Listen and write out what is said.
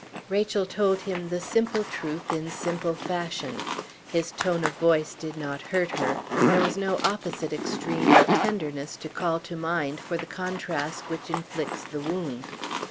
Rachel told him the simple truth in simple fashion. His tone of voice did not hurt her; there was no opposite extreme of tenderness to call to mind for the contrast which inflicts the wound.